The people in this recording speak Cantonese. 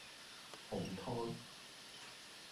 紅湯